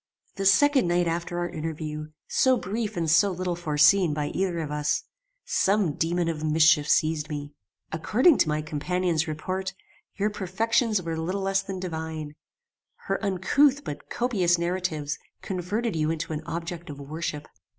"The second night after our interview, so brief and so little foreseen by either of us, some daemon of mischief seized me. According to my companion's report, your perfections were little less than divine. Her uncouth but copious narratives converted you into an object of worship.